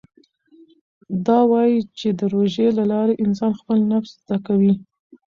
ده وايي چې د روژې له لارې انسان خپل نفس زده کوي.